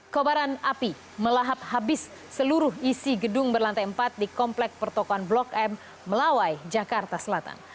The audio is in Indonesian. kobaran api melahap habis seluruh isi gedung berlantai empat di komplek pertokohan blok m melawai jakarta selatan